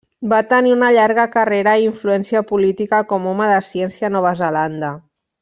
Va tenir una llarga carrera i influència política com home de ciència a Nova Zelanda.